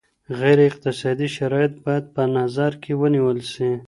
غیر اقتصادي شرایط باید په نظر کي ونیول سي.